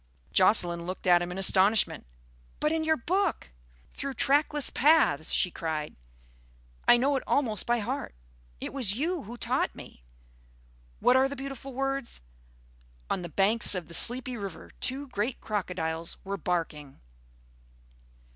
Jocelyn looked at him in astonishment. "But in your book, Through Trackless Paths!" she cried, "I know it almost by heart. It was you who taught me. What are the beautiful words? 'On the banks of the sleepy river two great crocodiles were barking.'"